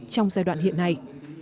trong giai đoạn hiện nay